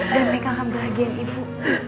dan mereka akan berhargian ibu